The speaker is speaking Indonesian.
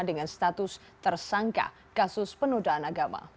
dengan status tersangka kasus penodaan agama